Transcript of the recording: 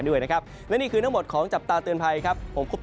สวัสดีครับ